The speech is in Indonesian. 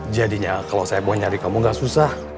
jadinya kalau saeb mau nyari kamu gak susah